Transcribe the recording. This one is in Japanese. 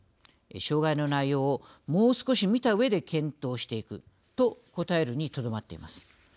障害の内容をもう少し見たうえで検討していくと答えるに、とどまっています。